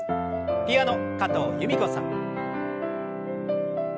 ピアノ加藤由美子さん。